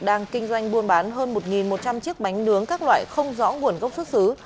đang kinh doanh buôn bán hơn một một trăm linh chiếc bánh nướng các loại không rõ nguồn gốc xuất xứ